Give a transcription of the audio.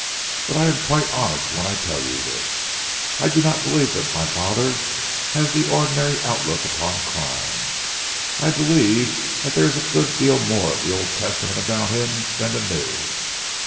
But I am quite honest when I tell you this I do not believe that my father has the ordinary outlook upon crime. I believe that there is a good deal more of the Old Testament about him than the New."